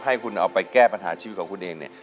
ให้คุณเอาไปแก้ปัญหาชีวิตของคุณเองเนี่ย